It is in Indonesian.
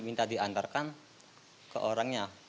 minta diantarkan ke orangnya